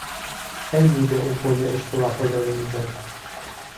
خیلی به او قول عشق و وفاداری میداد.